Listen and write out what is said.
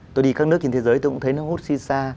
tôi đi các nước trên thế giới tôi cũng thấy nó hút si xa